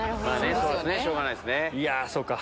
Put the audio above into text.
しょうがないですね。